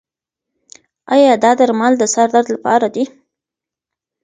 ایا دا درمل د سر درد لپاره دي؟